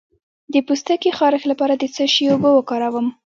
د پوستکي خارښ لپاره د څه شي اوبه وکاروم؟